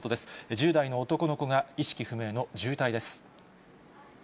１０代の男の子が意識不明の重体です。